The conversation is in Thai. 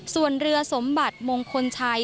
ส่วนเรือสมบัติมงคลชัย